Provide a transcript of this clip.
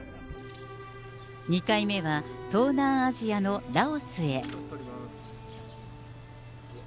２回目は、東南アジアのラオスへ。